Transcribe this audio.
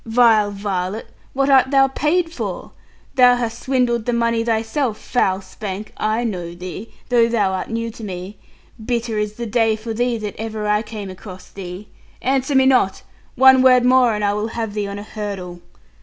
Vile varlet, what art thou paid for? Thou hast swindled the money thyself, foul Spank; I know thee, though thou art new to me. Bitter is the day for thee that ever I came across thee. Answer me not one word more and I will have thee on a hurdle.'